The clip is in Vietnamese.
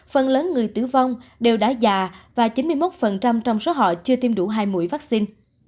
phần lớn người tử vong đều đã già và chín mươi một trong số họ chưa tiêm đủ hai mũi vaccine